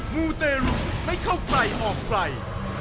มูเตรุไม่เข้าใกล้ออกไกล